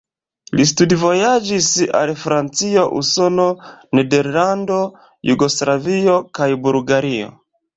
Li studvojaĝis al Francio, Usono, Nederlando, Jugoslavio kaj Bulgario.